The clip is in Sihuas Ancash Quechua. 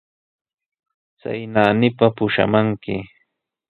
Chay naanipa pushamanki.